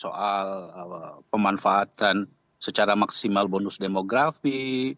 soal pemanfaatan secara maksimal bonus demografi